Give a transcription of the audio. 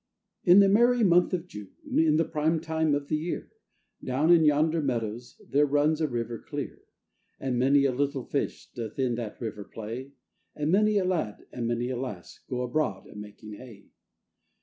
] IN the merry month of June, In the prime time of the year; Down in yonder meadows There runs a river clear: And many a little fish Doth in that river play; And many a lad, and many a lass, Go abroad a making hay.